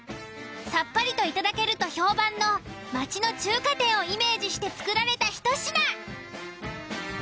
さっぱりといただけると評判の町の中華店をイメージして作られたひと品。